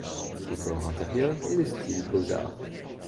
Le décor intérieur est de style Beaux-Arts.